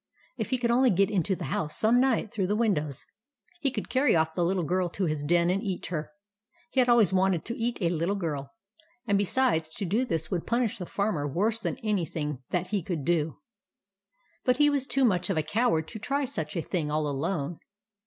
If he could only get into the house some night through the windows, he could carry off the little girl to his den and eat her. He had always wanted to eat a little girl ; and besides, to do this would 142 THE ADVENTURES OF MABEL punish the Farmer worse than anything that he could do. But he was too much of a coward to try such a thing all alone.